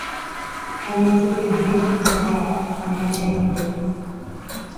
añesũpehẽ ha añakãity